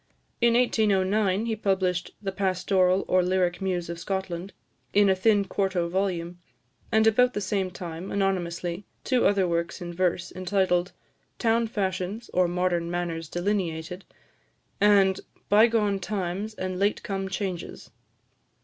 In 1809, he published "The Pastoral, or Lyric Muse of Scotland," in a thin quarto volume; and about the same time, anonymously, two other works in verse, entitled "Town Fashions, or Modern Manners Delineated," and "Bygone Times and Late come Changes."